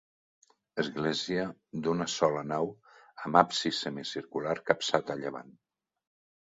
Església d'una sola nau amb absis semicircular capçat a llevant.